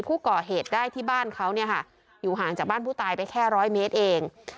ผู้ก่อเหตุได้ที่บ้านเขาเนี่ยค่ะอยู่ห่างจากบ้านผู้ตายไปแค่ร้อยเมตรเอง